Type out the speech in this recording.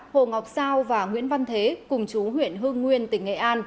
hồ ngọc sao và nguyễn văn thế cùng chú huyện hương nguyên tỉnh nghệ an